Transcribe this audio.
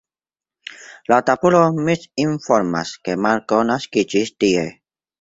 La tabulo misinformas, ke Marko naskiĝis tie.